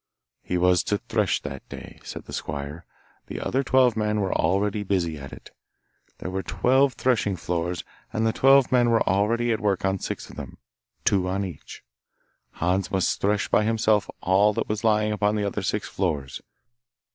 He was to thresh that day, said the squire; the other twelve men were already busy at it. There were twelve threshing floors, and the twelve men were at work on six of them two on each. Hans must thresh by himself all that was lying upon the other six floors.